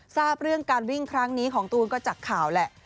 ทราบเรื่องการวิ่งครั้งนี้ของตูนก็จากข่าวแหละ